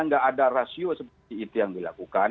nggak ada rasio seperti itu yang dilakukan